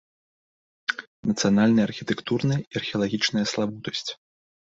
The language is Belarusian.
Нацыянальная архітэктурная і археалагічная славутасць.